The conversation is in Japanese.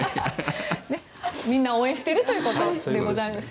みんな応援してくれるということです。